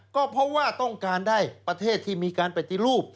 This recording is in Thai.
ก็เพราะว่าต้องการได้ประเทศที่มีการปฏิรูป